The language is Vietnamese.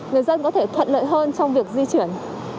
người dân có thể thuận lợi hơn trong việc di chuyển